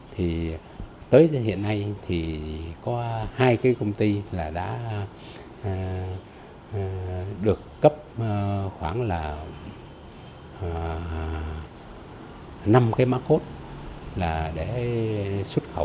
thì tới hiện nay thì có hai cái công ty là đã được cấp khoảng là năm cái mắc cốt là để xuất khẩu